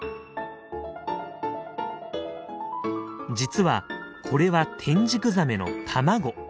実はこれはテンジクザメの卵。